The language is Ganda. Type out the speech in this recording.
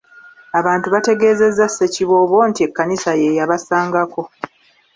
Abatuuze bategeezezza Ssekiboobo nti Ekkanisa ye yabasangako.